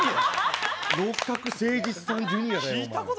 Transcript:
六角精児さんジュニアだよ。